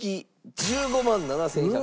１５万７１００。